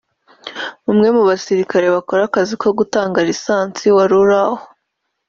umwe mu basirikare bakora akazi ko gutanga lisansi wari uri aho